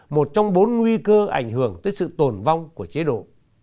một trong bốn nguy cơ ảnh hưởng tới sự tồn vong của chế độ